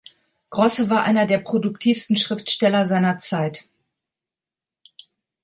Grosse war einer der produktivsten Schriftsteller seiner Zeit.